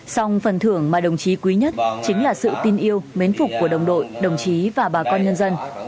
xong phần thưởng mà đồng chí quý nhất chính là sự tin yêu mến phục của đồng đội đồng chí và bà con nhân dân